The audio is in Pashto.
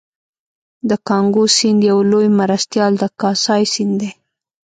د کانګو سیند یو لوی مرستیال د کاسای سیند دی